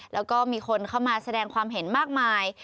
แล้วก็มีคนเข้ามาแสดงความเห็นมากมาย